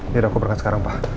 ya udah aku berangkat sekarang pak